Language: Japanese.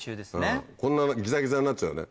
こんなギザギザになっちゃうね。